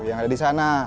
yang ada di sana